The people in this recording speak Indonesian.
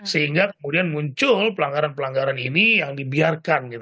sehingga kemudian muncul pelanggaran pelanggaran ini yang dibiarkan